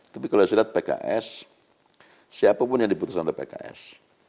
tapi kalau saya lihat pks siapapun yang diputuskan oleh pks